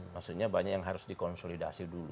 maksudnya banyak yang harus dikonsolidasi dulu